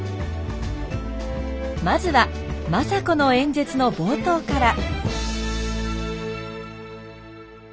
まずは政子の演説の冒頭から。